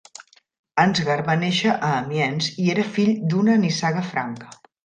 Ansgar va néixer a Amiens i era fill d'una nissaga franca.